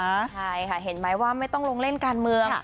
ใช่ค่ะเห็นไหมว่าไม่ต้องลงเล่นการเมือง